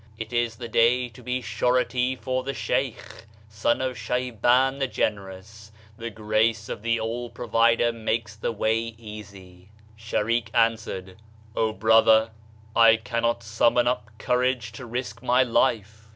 It is the day to be surety for the Shaykh ; Son of Shaiban the generous ; The grace of the All Provider makes the way easy." Shareek answered, "O brother, I cannot sum mon up courage to risk my life."